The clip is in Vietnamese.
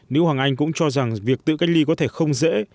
nữ hoàng anh cũng cho rằng việc tự cách ly có thể không dễ